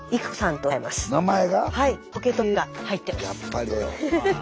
はい。